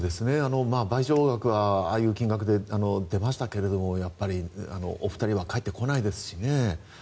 賠償額は、ああいう金額で出ましたけどもやっぱりお二人は帰ってこないですしね。